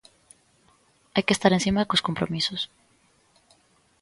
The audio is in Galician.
Hai que estar encima cos compromisos.